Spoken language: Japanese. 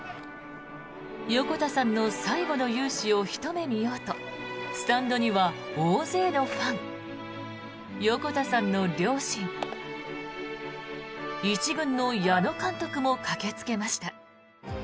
横田さんの最後の雄姿をひと目見ようとスタンドには大勢のファン横田さんの両親１軍の矢野監督も駆けつけました。